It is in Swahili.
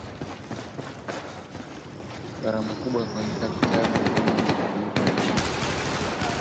gharama kubwa kuandika vitabu vyenye mahubiri ya dini